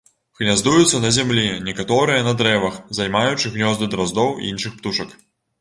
Гняздуюцца на зямлі, некаторыя на дрэвах, займаючы гнёзды драздоў і іншых птушак.